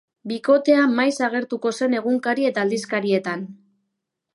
Bikotea maiz agertuko zen egunkari eta aldizkarietan.